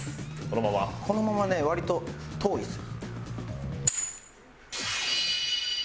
このままね割と遠いですよ。